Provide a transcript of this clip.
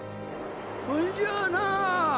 ほんじゃな。